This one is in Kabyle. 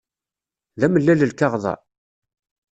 D amellal lkaɣeḍ-a?